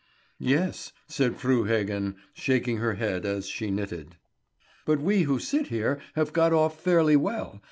"Yes," said Fru Heggen, shaking her head as she knitted. "But we who sit here have got off fairly well.